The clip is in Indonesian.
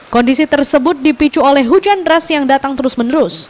kondisi tersebut dipicu oleh hujan deras yang datang terus menerus